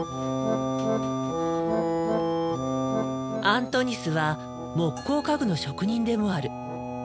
アントニスは木工家具の職人でもある。